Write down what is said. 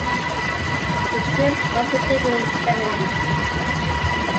The script was written in Germany.